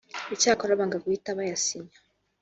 icyakora banga guhita bayasinya